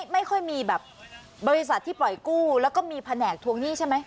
ไม่ค่อยมีแบบบริษัทที่ปล่อยกู้แล้วก็มีแผนกทวงหนี้ใช่ไหม